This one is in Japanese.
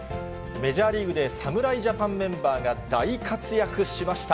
メジャーリーグで侍ジャパンメンバーが、大活躍しました。